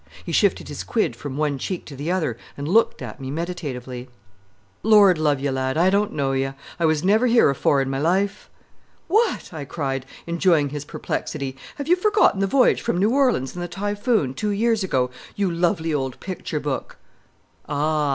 He shifted his quid from one cheek to the other, and looked at me meditatively. "Lord love ye, lad, I don't know you. I was never here afore in my life." "What!" I cried, enjoying his perplexity. "Have you forgotten the voyage from New Orleans in the Typhoon, two years ago, you lovely old picture book?" Ah!